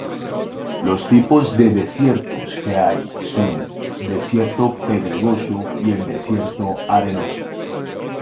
Los tipos de desiertos que hay son: desierto pedregoso y el desierto arenoso.